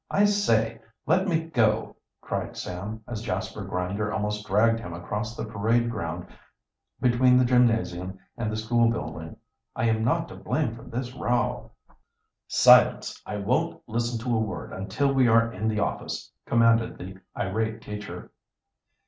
"I say, let me go!" cried Sam, as Jasper Grinder almost dragged him across the parade ground between the gymnasium and the school building. "I am not to blame for this row." "Silence! I won't listen to a word until we are in the office," commanded the irate teacher.